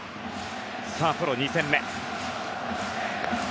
プロ２戦目。